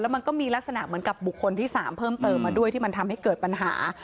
มันก็มีลักษณะเหมือนกับบุคคลที่๓เพิ่มเติมมาด้วยที่มันทำให้เกิดปัญหา